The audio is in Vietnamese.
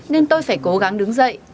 nên tôi phải cố gắng đứng dậy